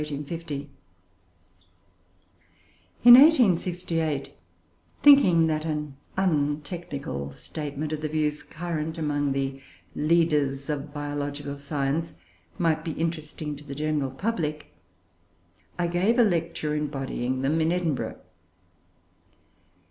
] In 1868, thinking that an untechnical statement of the views current among the leaders of biological science might be interesting to the general public, I gave a lecture embodying them in Edinburgh.